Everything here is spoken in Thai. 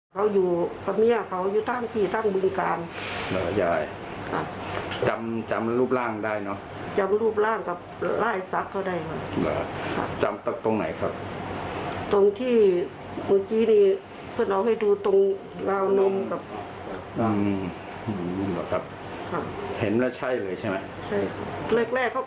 เขาก็ได้โทษตัวเลยค่ะ